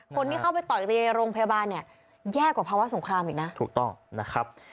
คนที่เข้าไปต่อยตัวเองในโรงพยาบาลเนี่ยแย่กว่าภาวะสงครามอีกนะถูกต้องนะครับ